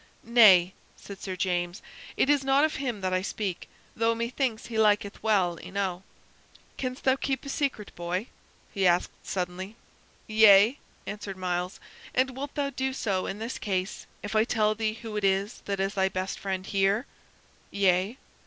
"Nay," said Sir James, "it is not of him that I speak, though methinks he liketh thee well enow. Canst thou keep a secret, boy?" he asked, suddenly. "Yea," answered Myles. "And wilt thou do so in this case if I tell thee who it is that is thy best friend here?" "Yea."